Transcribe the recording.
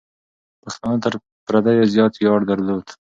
پښتانه تر پردیو زیات ویاړ درلود.